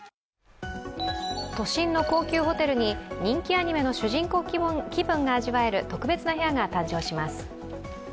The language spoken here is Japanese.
都心の高級ホテルに人気アニメの主人公気分が味わえる特別な部屋が誕生します。